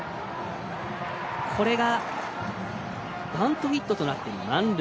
これがバントヒットとなって満塁。